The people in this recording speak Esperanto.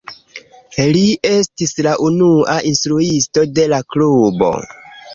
Li estis la unua instruisto de la klubo.